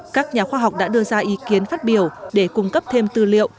các nhà khoa học đã đưa ra ý kiến phát biểu để cung cấp thêm tư liệu